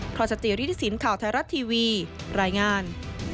พรชจริริสินข่าวไทยรัฐทีวีรายงาน